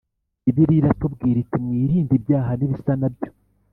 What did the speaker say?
bibiliya iratubwira iti mwirinde ibyaha nibisa nabyo